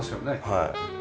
はい。